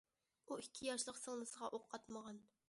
ئۇ ئىككى ياشلىق سىڭلىسىغا ئوق ئاتمىغان.